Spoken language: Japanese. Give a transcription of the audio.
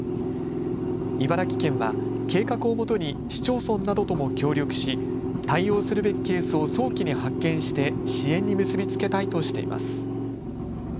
茨城県は計画をもとに市町村などとも協力し対応するべきケースを早期に発見して支援に結び付けたいとしています。